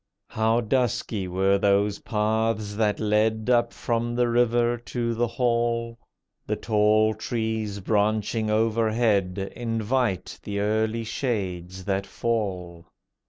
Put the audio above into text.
How dusky were those paths that led Up from the river to the hall. The tall trees branching overhead Invite the early shades that fall.